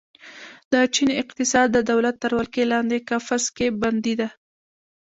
د چین اقتصاد د دولت تر ولکې لاندې قفس کې بندي ده.